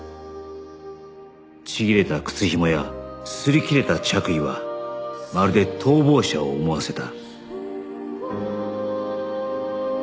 ちぎれた靴ひもや擦り切れた着衣はまるで逃亡者を思わせた